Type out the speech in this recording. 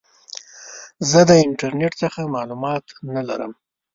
زه د انټرنیټ څخه معلومات نه لرم.